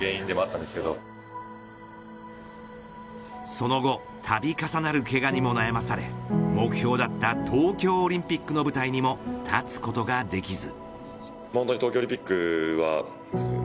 その後、度重なるけがにも悩まされ目標だった東京オリンピックの舞台にも立つことができず。